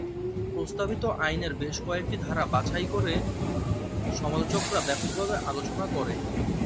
প্রস্তাবিত আইনের বেশ কয়েকটি ধারা বাছাই করে সমালোচকরা ব্যাপকভাবে আলোচনা করে।